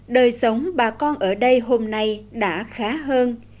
đời sống bà con ở đây hôm nay đã khá hơn